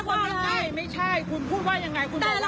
ทำไมมันบอกว่ามักง่าย